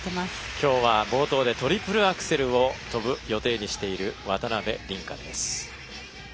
今日は冒頭でトリプルアクセルを跳ぶ予定にしている渡辺倫果です。